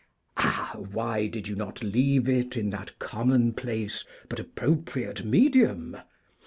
Ah, why did you not leave it in that commonplace but appropriate medium?